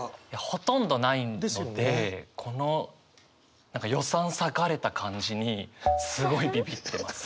ほとんどないのでこの予算割かれた感じにすごいびびってます。